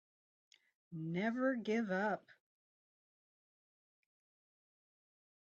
Never give up.